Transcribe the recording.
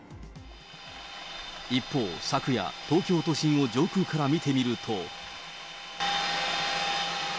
一方、昨夜、東京都心を上空から見てみると。